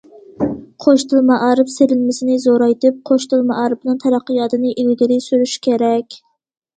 قوش تىل مائارىپ سېلىنمىسىنى زورايتىپ، قوش تىل مائارىپىنىڭ تەرەققىياتىنى ئىلگىرى سۈرۈش كېرەك.